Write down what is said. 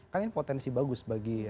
kan ini potensi bagus bagi